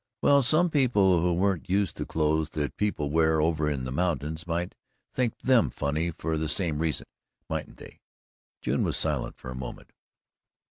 "Well, some people who weren't used to clothes that people wear over in the mountains might think THEM funny for the same reason mightn't they?" June was silent for a moment.